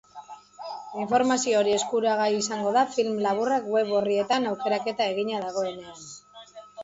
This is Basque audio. Informazio hori eskuragai izango da film laburrak web orrietan aukeraketa egina dagoenan.